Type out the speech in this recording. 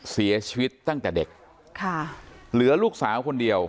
เสียชีวิตตั้งแต่เด็กค่ะเหลือลูกสาวคนเดียว